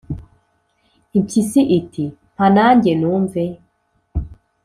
impyisi iti « mpa na njye numve.»